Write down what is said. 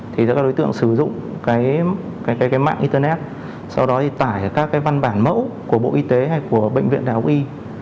thì các đối tượng sử dụng cái mạng internet sau đó thì tải các cái văn bản mẫu của bộ y tế hay của bệnh viện đại học y